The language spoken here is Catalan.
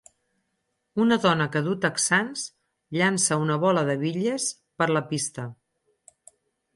Una dona que duu texans llança una bola de bitlles per la pista.